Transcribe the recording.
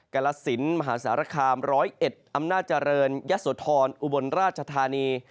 กลสินมหาศาลคามร้อยเอ็ดอำนาจริย์ยัตโสธรอุบลราชธานี